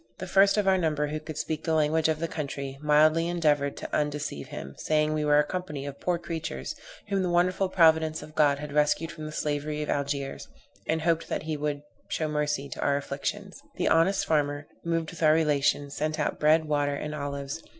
The first of our number, who could speak the language of the country, mildly endeavored to undeceive him, saying, we were a company of poor creatures, whom the wonderful providence of God had rescued from the slavery of Algiers, and hoped that he would show mercy to our afflictions. The honest farmer, moved with our relation, sent out bread, water and olives.